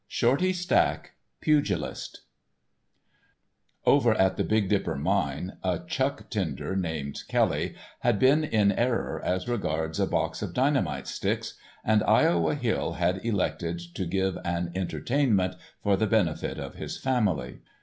*Shorty Stack, Pugilist* Over at the "Big Dipper" mine a chuck tender named Kelly had been in error as regards a box of dynamite sticks, and Iowa Hill had elected to give an "entertainment" for the benefit of his family.